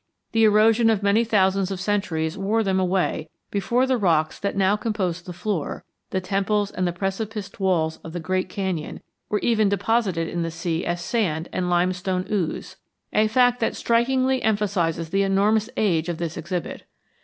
The erosion of many thousands of centuries wore them away before the rocks that now compose the floor, the temples and the precipiced walls of the great canyon were even deposited in the sea as sand and limestone ooze, a fact that strikingly emphasizes the enormous age of this exhibit.